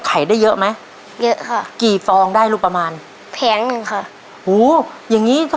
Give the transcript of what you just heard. ไข่นะ